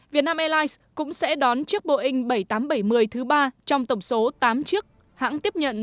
việt nam airlines cũng sẽ đón chiếc boeing bảy nghìn tám trăm bảy mươi thứ ba trong tổng số tám chiếc hãng tiếp nhận